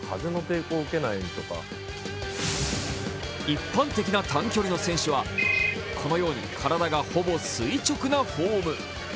一般的な短距離の選手はこのように体がほぼ垂直なフォーム。